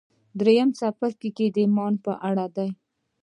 درېيم څپرکی د ايمان په اړه دی.